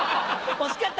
惜しかった！